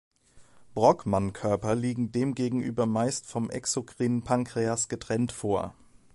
Brockmann-Körper liegen demgegenüber meist vom exokrinen Pankreas getrennt vor.